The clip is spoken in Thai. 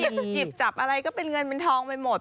หยิบจับอะไรก็เป็นเงินเป็นทองไปหมด